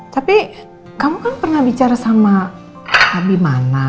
tapi kamu kan pernah bicara sama habimana